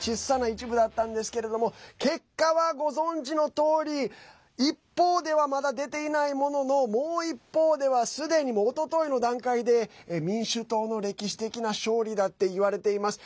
一部だったんですけども結果はご存じのとおり一方ではまだ出ていないもののもう一方ではすでに、おとといの段階で民主党の歴史的な勝利だっていわれています。